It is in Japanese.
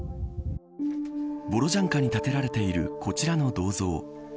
ボロジャンカに建てられているこちらの銅像